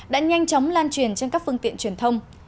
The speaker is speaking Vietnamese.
đã nhanh chóng lan truyền trên các phương tiện truyền thông